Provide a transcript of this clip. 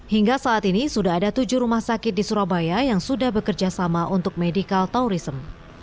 hingga saat ini sudah ada tujuh rumah sakit di surabaya yang sudah bekerja sama untuk medical tourism